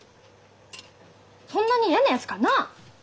そんなに嫌なやつかなあ？